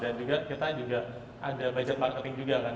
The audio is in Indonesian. dan juga kita ada budget marketing juga kan